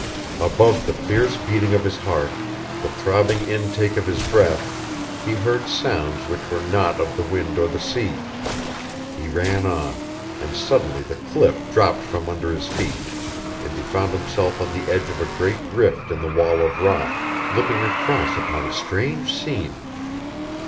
Above the fierce beating of his heart, the throbbing intake of his breath, he heard sounds which were not of the wind or the sea. He ran on, and suddenly the cliff dropped from under his feet, and he found himself on the edge of a great rift in the wall of rock, looking across upon a strange scene.